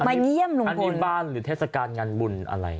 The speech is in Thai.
มาเยี่ยมรุงพลอันนี้บ้านหรือเทศกาลงานบุญอะไรหรอ